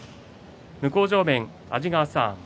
向正面の安治川さん